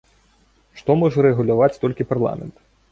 Што можа рэгуляваць толькі парламент?